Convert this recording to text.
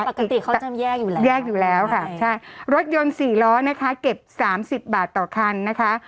ปกติเขาจะแยกอยู่แล้วแยกอยู่แล้วค่ะใช่รถยนต์สี่ล้อนะคะเก็บ๓๐บาทต่อคันนะคะ